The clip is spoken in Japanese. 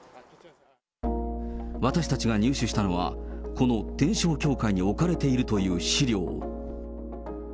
私たちが入手したのは、この天勝教会に置かれているという資料。